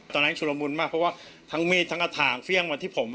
ฉะละมุนมากเพราะว่าทั้งมีดทั้งกระถางเฟี่ยงมาที่ผม